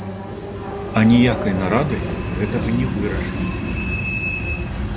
Аніякай нарадай гэтага не вырашыць.